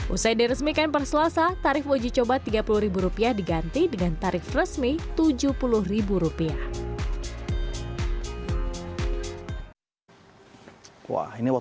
usai diresmikan perselasa tangerang banten pada selesai pagi